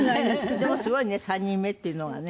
でもすごいね３人目っていうのがね。